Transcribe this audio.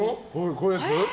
こういうやつ？